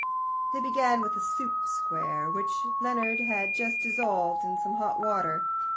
They began with a soup square, which Leonard had just dissolved in some hot water.